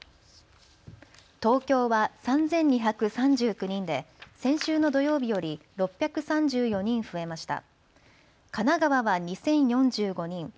東京は３２３９人で先週の土曜日より６３４人増えました。